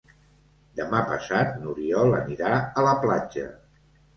Demà passat n'Oriol anirà a la platja.